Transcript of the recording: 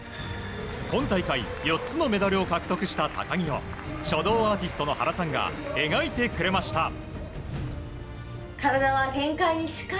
今大会４つのメダルを獲得した高木を書道アーティストの原さんが描いてくれました。